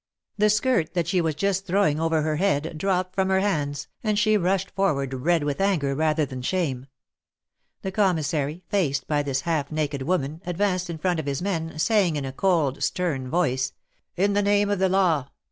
The skirt that she was just throwing over her head dropped from her hands, and she rushed forward red with anger rather than shame. The Commissary, faced by this half naked woman, ad vanced in front of his men, saying, in a cold, stern voice: In the Name of the Law !